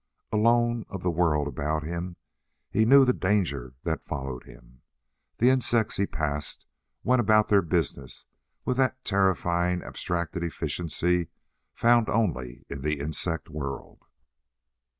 Alone of the world about him, he knew the danger that followed him. The insects he passed went about their business with that terrifying, abstracted efficiency found only in the insect world.